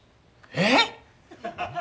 えっ？